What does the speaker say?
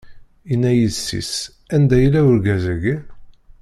Inna i yessi-s: Anda yella urgaz-agi?